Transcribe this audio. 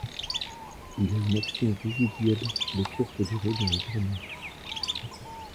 Il a une action résiduelle de courte durée dans l'environnement.